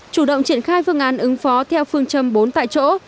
chủ động triển khai phương án ứng phó theo phương châm bốn tại chỗ